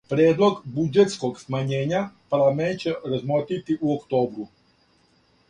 Предлог буџетског смањења парламент ће размотрити у октобру.